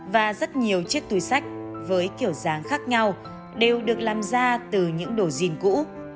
và rất nhiều chiếc túi sách với kiểu dáng khác nhau đều được làm ra từ những đồ jean cũ